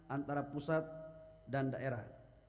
antara pusat dan daerah